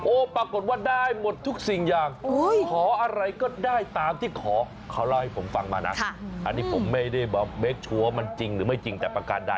ปรากฏว่าได้หมดทุกสิ่งอย่างขออะไรก็ได้ตามที่ขอเขาเล่าให้ผมฟังมานะอันนี้ผมไม่ได้เบคชัวร์มันจริงหรือไม่จริงแต่ประการใด